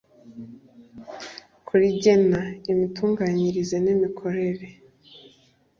ku rigena imitunganyirize n imikorere